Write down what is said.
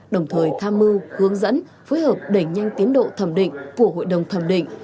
đồng thời tham mưu hướng dẫn phối hợp đẩy nhanh tiến độ thẩm định của hội đồng thẩm định